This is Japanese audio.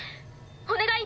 お願い